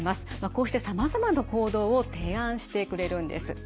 こうしてさまざまな行動を提案してくれるんです。